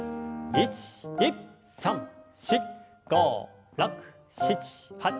１２３４５６７８。